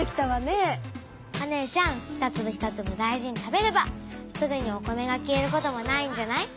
お姉ちゃん一つぶ一つぶ大事に食べればすぐにお米が消えることもないんじゃない？